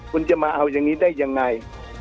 คุณจะมาเอาอย่างนี้ได้ยังไง